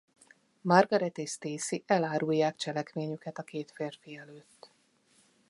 Margaret és Stacy elárulják cselekményüket a két férfi előtt.